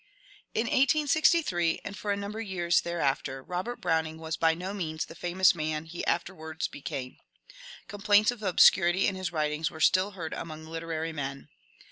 In 1863, and for a number of years after, Bobert Brown ing was by no means the famous man he afterwards became. Complaints of obscurity in his writings were still heard among literary men.